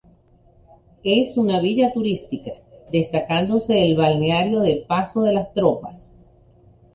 Es una villa turística, destacándose el balneario de Paso de las Tropas.